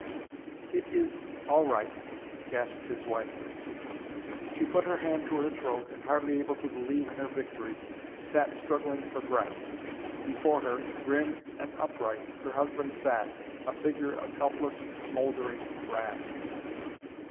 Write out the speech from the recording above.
"It is—all right," gasped his wife. She put her hand to her throat and, hardly able to believe in her victory, sat struggling for breath. Before her, grim and upright, her husband sat, a figure of helpless smouldering wrath.